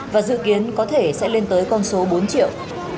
và dự kiến có thể sẽ lên tới con số bốn triệu